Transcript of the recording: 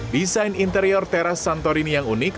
desain interior teras santorini yang unik